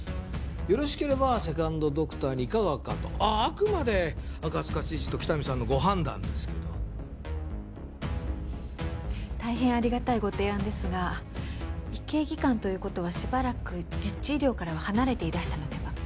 よろしければセカンドドクターにいかがかとあくまで赤塚知事と喜多見さんのご判断ですけど大変ありがたいご提案ですが医系技官ということはしばらく実地医療からは離れていらしたのでは？